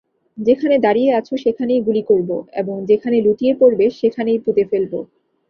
যেখানে দাঁড়িয়ে আছো সেখানেই গুলি করব, এবং যেখানে লুটিয়ে পড়বে সেখানেই পুঁতে ফেলব।